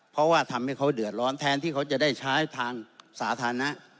เพราะว่าทำให้เขาเดือดร้อนแทนที่เขาจะได้ใช้ทางสาธารณะ